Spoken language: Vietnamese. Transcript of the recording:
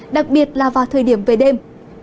đặc biệt là vào thời điểm về đêm